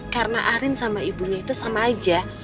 karena arin sama ibunya itu sama aja